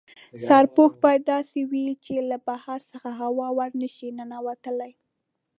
سرپوښ باید داسې وي چې له بهر څخه هوا ور نه شي ننوتلای.